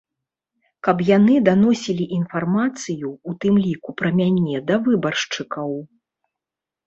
Каб яны даносілі інфармацыю, у тым ліку пра мяне да выбаршчыкаў.